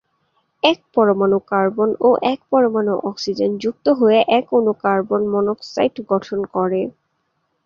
এক পরমাণু কার্বন ও এক পরমাণু অক্সিজেন যুক্ত হয়ে এক অণু কার্বন মনোক্সাইড গঠন করে।